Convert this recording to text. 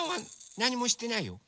なにもしてないよ。